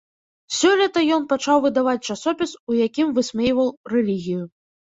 Сёлета ён пачаў выдаваць часопіс, у якім высмейваў рэлігію.